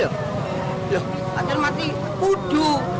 loh akhirnya mati kudu